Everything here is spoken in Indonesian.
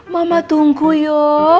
mama tunggu ya